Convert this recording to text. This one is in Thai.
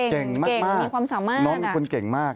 เก่งมากน้องเป็นคนเก่งมาก